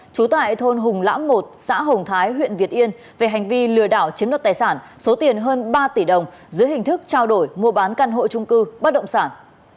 trú tại thôn hùng lãm một xã hồng thái huyện việt yên về hành vi lừa đảo chiếm đoạt tài sản số tiền hơn ba tỷ đồng dưới hình thức trao đổi mua bán căn hộ trung cư bất động sản